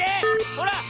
ほら！